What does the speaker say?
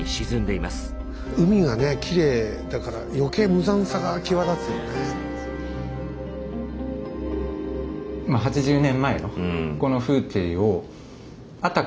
海がきれいだから余計無残さが際立つよね。